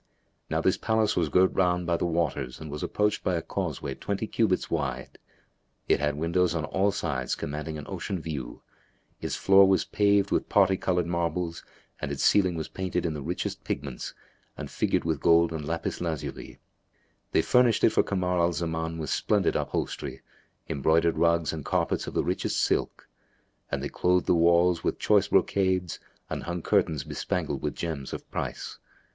Now this palace was girt round by the waters and was approached by a causeway twenty cubits wide. It had windows on all sides commanding an ocean view; its floor was paved with parti coloured marbles and its ceiling was painted in the richest pigments and figured with gold and lapis lazuli. They furnished it for Kamar al Zaman with splendid upholstery, embroidered rugs and carpets of the richest silk; and they clothed the walls with choice brocades and hung curtains bespangled with gems of price.